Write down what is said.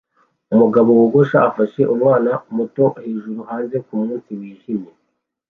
Umugabo wogosha ufashe umwana muto hejuru hanze kumunsi wijimye